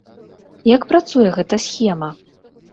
Як працуе гэта схема?